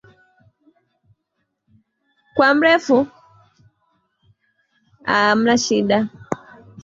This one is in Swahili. uundaji wa Andes ulifanyika mwishoni mwa Kipindi cha